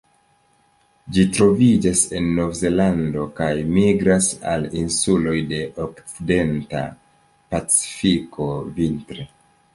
Ĝi troviĝas en Novzelando, kaj migras al insuloj de okcidenta Pacifiko vintre.